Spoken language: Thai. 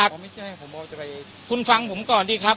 ผมไม่แจ้งผมบอกจะไปคุณฟังผมก่อนดีครับ